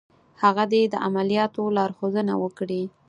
هغه دې د عملیاتو لارښودنه وکړي.